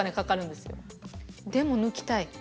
でも抜きたい。